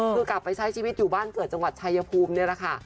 คือกลับไปใช้ชีวิตอยู่บ้านเกิดจังหวัดชายภูมินี่แหละค่ะ